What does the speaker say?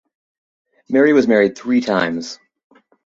Mary was married three times.